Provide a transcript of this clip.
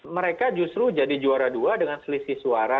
mereka justru jadi juara dua dengan selisih suara